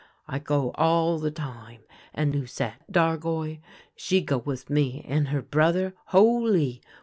I go all the time, and Lucette Dar gois, she go with me and her brother — holy